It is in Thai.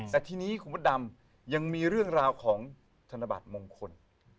แต่ทีนี้คุณมดดำยังมีเรื่องราวของธนบัตรมงคล